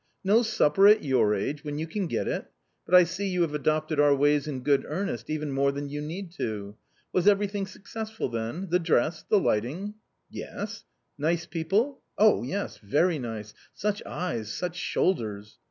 No supper at your age when you can get it ! But I see you have adopted our ways in good earnest, even more than you need to. Was everything successful then ? the dress, the lighting ?"" Yes." " Nice people ?*" Oh, yes ! very nice. Such eyes, such shoulders